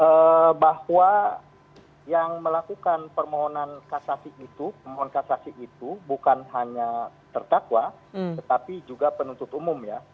ya bahwa yang melakukan permohonan kasasi itu pemohon kasasi itu bukan hanya terdakwa tetapi juga penuntut umum ya